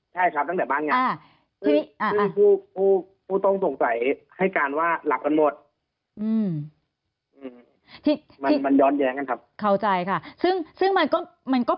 ใช่ครับตั้งแต่บ้านงานคือผู้ต้องสงสัยให้การว่าหลักกันหมดมันย้อนแย้งกันครับ